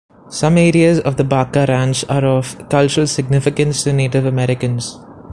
Some areas of the Baca Ranch are of cultural significance to Native Americans.